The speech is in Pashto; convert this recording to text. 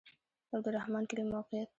د عبدالرحمن کلی موقعیت